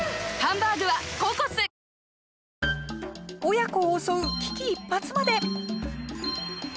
親子を襲う危機一髪まで。